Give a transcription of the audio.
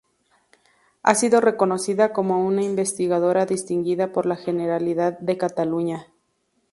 Ha sido reconocida como una investigadora distinguida por la Generalidad de Cataluña.